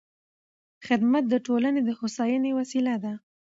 خدمت د ټولنې د هوساینې وسیله ده.